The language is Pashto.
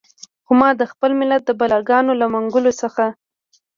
خو ما د خپل ملت د بلاګانو له منګولو څخه.